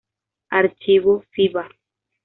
Archivo Fiba